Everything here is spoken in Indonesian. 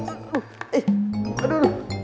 eh aduh aduh